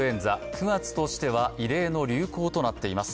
９月としては異例の流行となっています。